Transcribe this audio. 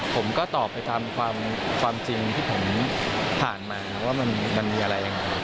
ผมก็ตอบไปตามความจริงที่ผมผ่านมาว่ามันมีอะไรยังไง